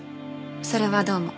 それはどうも。